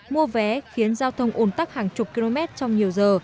mua vé khiến giao thông ồn tắc hàng chục km trong nhiều giờ